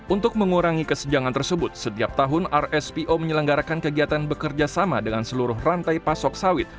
untuk mengurangi kesenjangan tersebut setiap tahun rspo menyelenggarakan kegiatan bekerja sama dengan seluruh rantai pasok sawit